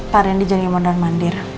pak rendy jadi modan mandir